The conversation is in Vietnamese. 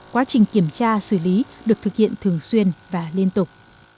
quá trình kiểm tra xử lý được thực hiện thường xuyên và liên tục